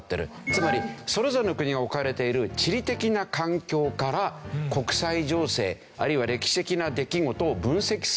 つまりそれぞれの国がおかれている地理的な環境から国際情勢あるいは歴史的な出来事を分析する学問